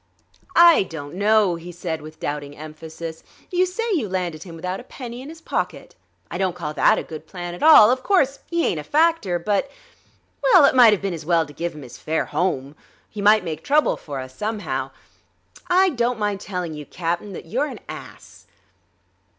"I don't know," he said with doubting emphasis. "You say you landed him without a penny in his pocket? I don't call that a good plan at all. Of course, he ain't a factor, but ... Well, it might've been as well to give him his fare home. He might make trouble for us, somehow.... I don't mind telling you, Cap'n, that you're an ass."